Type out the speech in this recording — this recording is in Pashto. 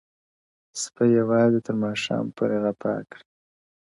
• سپی یوازي تر ماښام پوري غپا کړي,